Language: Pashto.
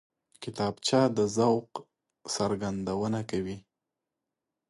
کتابچه د ذوق څرګندونه کوي